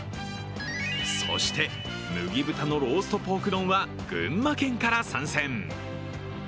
そして、麦豚のローストポーク丼は群馬県から参戦。